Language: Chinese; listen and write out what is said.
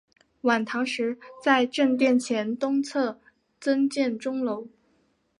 晚唐时在正殿前东侧增建钟楼。